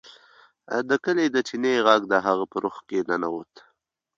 د کلي د چینې غږ د هغه په روح کې ننوت